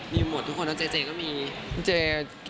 มีหมดทุกคนแล้วเจ๊ก็มี